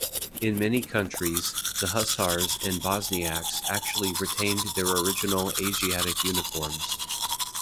In many countries, the hussars and bosniaks actually retained their original Asiatic uniforms.